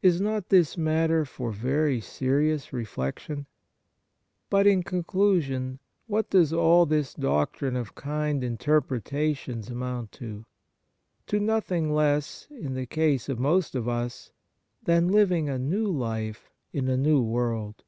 Is not this matter for very serious reflection ? But, in conclusion, what does all this doctrine of kind interpretations amount to ? To nothing less, in the case of most of us, than living a new life in a new world.